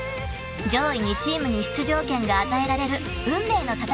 ［上位２チームに出場権が与えられる運命の戦い］